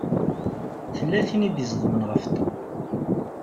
Tella tin i d-iẓeḍmen ɣef Tom.